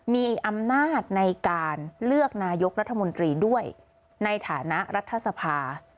มีอำนาจในการเลือกนายกรัฐมนตรีด้วยในฐานะรัฐสภา